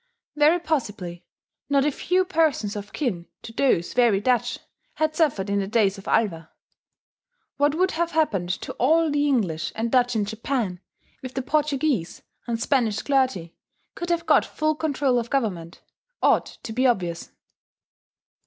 Very possibly, not a few persons of kin to those very Dutch had suffered in the days of Alva. What would have happened to all the English and Dutch in Japan, if the Portuguese and Spanish clergy could have got full control of government, ought to be obvious.